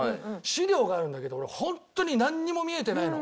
資料があるんだけど俺本当になんにも見えてないの。